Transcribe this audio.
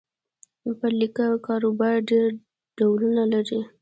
پر لیکه کاروبار ډېر ډولونه لري.